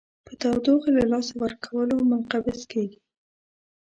په تودوخې له لاسه ورکولو منقبض کیږي.